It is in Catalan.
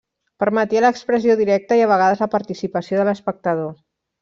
Permetia l'expressió directa i a vegades la participació de l'espectador.